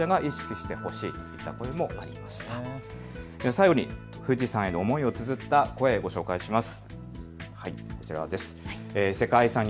最後に富士山への思いをつづった声、ご紹介します。